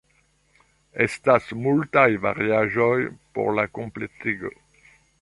Estas multaj variaĵoj por la kompletigo.